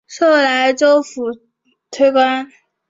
授莱州府推官。